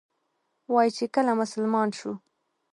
وایي چې کله مسلمان شو.